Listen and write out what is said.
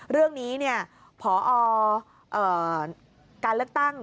เรื่องนี้พอการเลือกตั้ง